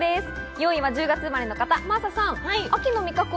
４位は１０月生まれの方、真麻さん。